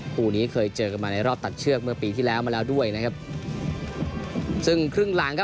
คู่นี้เคยเจอกันมาในรอบตัดเชือกเมื่อปีที่แล้วมาแล้วด้วยนะครับซึ่งครึ่งหลังครับ